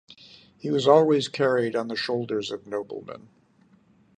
He was always carried on the shoulders of noblemen.